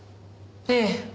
ええ。